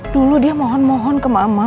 dulu dia mohon mohon ke mama